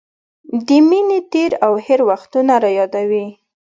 د مینې تېر او هېر وختونه رايادوي.